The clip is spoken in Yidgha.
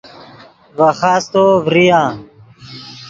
ڤے خاستو ڤریا